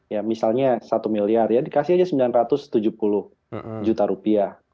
ya misalnya satu miliar ya dikasih aja sembilan ratus tujuh puluh juta rupiah